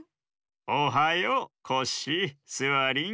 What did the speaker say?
おはようコッシースワリン。